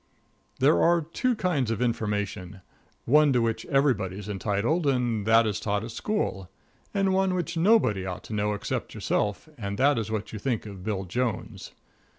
There are two kinds of information: one to which everybody's entitled, and that is taught at school; and one which nobody ought to know except yourself, and that is what you think of Bill Jones.